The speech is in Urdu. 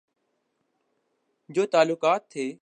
جو تعلقات تھے۔